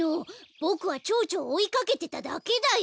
ボクはチョウチョをおいかけてただけだよ。